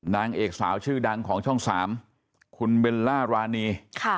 นางเอกสาวชื่อดังของช่อง๓คุณเบลล่ารานี